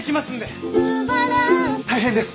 大変です！